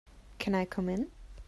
Can I come in?